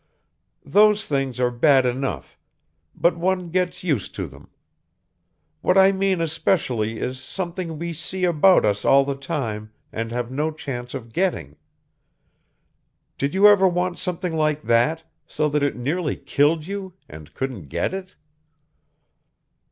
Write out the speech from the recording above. "Those things are bad enough; but one gets used to them. What I mean especially is something we see about us all the time and have no chance of getting. Did you ever want something like that, so that it nearly killed you, and couldn't get it?"